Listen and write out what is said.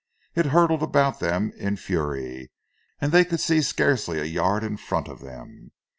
It hurtled about them in fury, and they could see scarcely a yard in front of them.